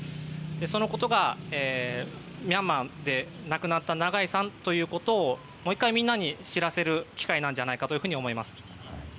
そのことがミャンマーで亡くなった長井さんをもう１回、みんなに知らせる機会なんじゃないかと思います。